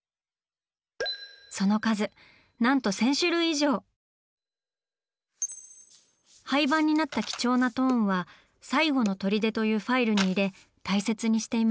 その数なんと廃盤になった貴重なトーンは「最後のとりで」というファイルに入れ大切にしています。